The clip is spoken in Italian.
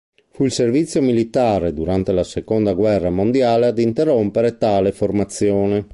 Fu il servizio militare durante la Seconda guerra mondiale ad interrompere tale formazione.